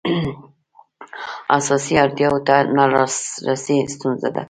اساسي اړتیاوو ته نه لاسرسی ستونزه ده.